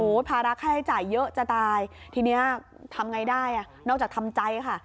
ภาระค่าใช้จ่ายเยอะจะตายทีนี้ทำไงได้อ่ะนอกจากทำใจค่ะ